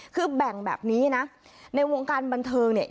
คือแบ่งแบบนี้นะในวงการบันเทิงเนี่ย